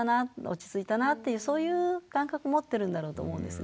落ち着いたなっていうそういう感覚持ってるんだろうと思うんですね。